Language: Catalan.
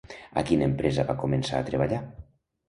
A quina empresa va començar a treballar?